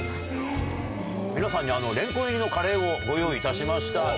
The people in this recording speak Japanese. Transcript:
皆さんにれんこん入りのカレーをご用意いたしました。